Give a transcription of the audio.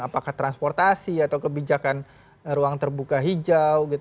apakah transportasi atau kebijakan ruang terbuka hijau